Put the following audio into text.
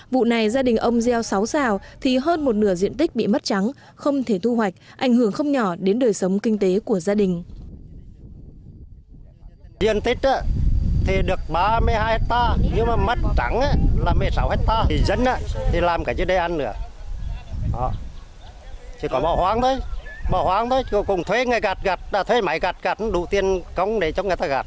vụ này gia đình ông gieo sáu rào thì hơn một nửa diện tích bị mất trắng không thể thu hoạch ảnh hưởng không nhỏ đến đời sống kinh tế của gia đình